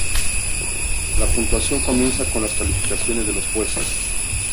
La puntuación comienza con las calificaciones de los jueces.